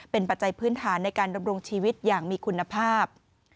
เป็นปัจจัยพื้นฐานในการดำรงชีวิตอย่างมีคุณภาพ